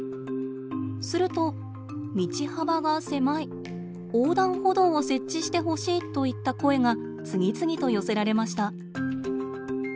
すると「道幅が狭い」「横断歩道を設置してほしい」といった声が次々と寄せられました。